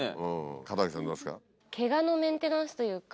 門脇さんどうですか？